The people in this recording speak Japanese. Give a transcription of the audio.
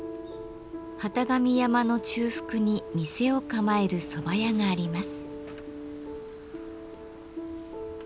機神山の中腹に店を構える蕎麦屋があります。